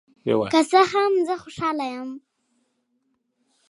که څه هم، زه خوشحال یم.